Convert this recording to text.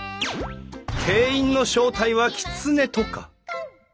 店員の正体はきつねとか？